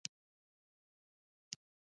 ایا زه باید خیانت وکړم؟